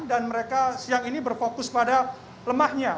dan mereka siang ini berfokus pada lemahnya